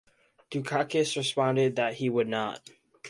Dukakis responded that he would not.